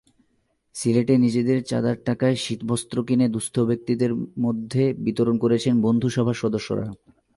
সিলেটে নিজেদের চাঁদার টাকায় শীতবস্ত্র কিনে দুস্থ ব্যক্তিদের মধ্যে বিতরণ করেছেন বন্ধুসভার সদস্যরা।